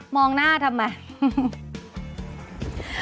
องหน้าทำไม